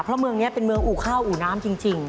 เพราะเมืองนี้เป็นเมืองอู่ข้าวอู่น้ำจริง